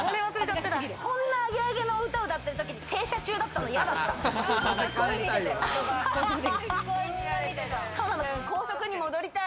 こんなアゲアゲな歌を歌ってるときに停車中だったの嫌だった。